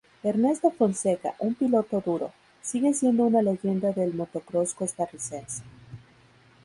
Ernesto Fonseca, un piloto duro, sigue siendo una leyenda del motocross costarricense.